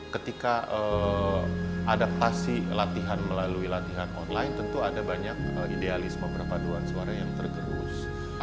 ketika adaptasi latihan melalui latihan online tentu ada banyak idealisme perpaduan suara yang tergerus